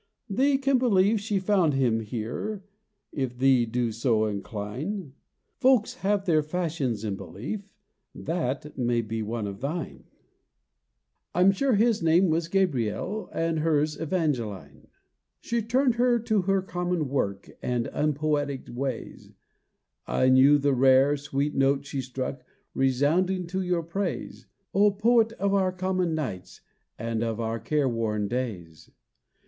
"Thee can believe she found him here, If thee do so incline. Folks have their fashions in belief That may be one of thine. I 'm sure his name was Gabriel, And hers Evangeline." She turned her to her common work And unpoetic ways, Nor knew the rare, sweet note she struck Resounding to your praise, O Poet of our common nights, And of our care worn days!